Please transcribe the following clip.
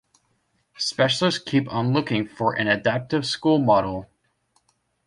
Specialists keep on looking for an adaptive school model.